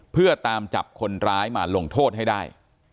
เพื่อตามจับคนร้ายมาลงโทษให้ได้